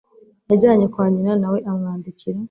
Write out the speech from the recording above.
Yajyanye kwa nyina, na we amwandikira.